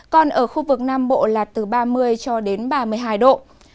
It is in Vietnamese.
còn ở khu vực nam bộ là từ ba mươi cho đến ba mươi hai độ